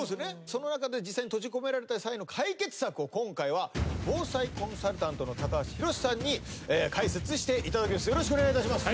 その中で実際に閉じ込められた際の解決策を今回は防災コンサルタントの高橋洋さんに解説していただきます。